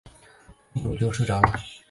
公主就睡着了。